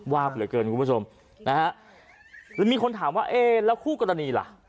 วาบเหลือเกินคุณผู้ชมนะฮะหรือมีคนถามว่าเอ๊ะแล้วคู่กรณีล่ะ